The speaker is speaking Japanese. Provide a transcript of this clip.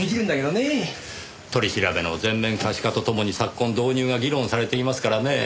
取り調べの全面可視化と共に昨今導入が議論されていますからねぇ。